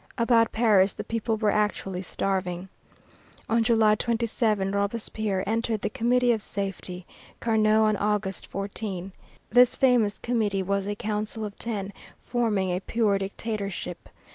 About Paris the people were actually starving. On July 27 Robespierre entered the Committee of Safety; Carnot, on August 14. This famous committee was a council of ten forming a pure dictatorship.